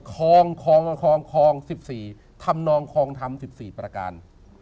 ฮองฮองฮองฮองสิบสี่ธรรมนองฮองธรรมสิบสี่ประการ